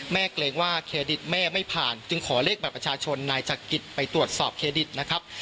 เกรงว่าเครดิตแม่ไม่ผ่านจึงขอเลขบัตรประชาชนนายจักริตไปตรวจสอบเครดิตนะครับ